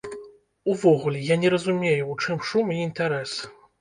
Увогуле, я не разумею, у чым шум і інтарэс.